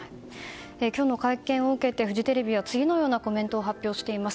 今日の会見を受けてフジテレビは次のようなコメントを発表しています。